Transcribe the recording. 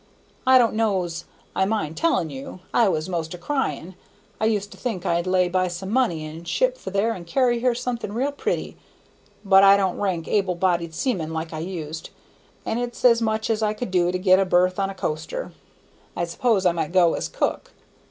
I don't know's I mind telling you; I was 'most a crying. I used to think I'd lay by some money and ship for there and carry her something real pretty. But I don't rank able bodied seaman like I used, and it's as much as I can do to get a berth on a coaster; I suppose I might go as cook.